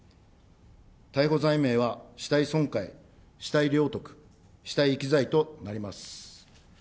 逮捕罪名は死体損壊、死体領得、死体遺棄罪となります。